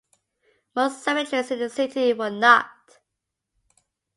Most cemeteries in the city were not.